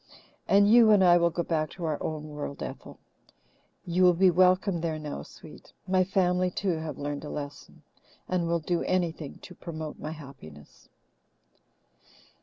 And you and I will go back to our own world, Ethel. You will be welcome there now, sweet my family, too, have learned a lesson, and will do anything to promote my happiness."